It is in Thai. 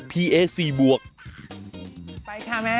ไปค่ะแม่